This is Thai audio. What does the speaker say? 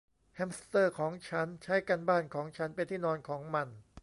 แฮมสเตอร์ของฉันใช้การบ้านของฉันเป็นที่นอนของมัน